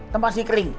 tempat si kering